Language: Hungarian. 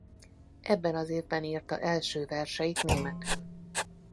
Ebben az évben írta első verseit németül.